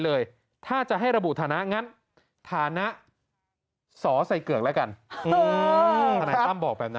แล้วอย่างงี้ทนายตั้มจะไปในฐานะอะไรอะคะ